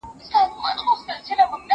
زه پرون تکړښت کوم!؟